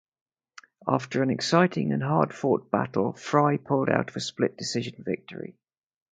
After an exciting and hard fought battle, Frye pulled out a split decision victory.